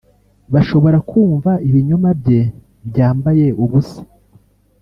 bashobora kumva ibinyoma bye byambaye ubusa